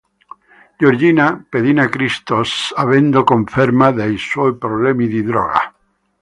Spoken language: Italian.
Georgina pedina Christos, avendo conferma dei suoi problemi di droga.